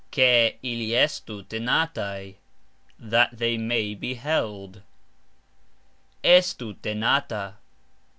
Ke ili estu tenataj ......... That they may be (being) held. Estu tenata